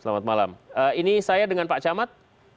selamat malam ini saya dengan pak camat